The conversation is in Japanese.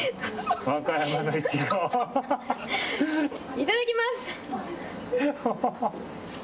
いただきます。